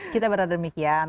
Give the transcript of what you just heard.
kita berada demikian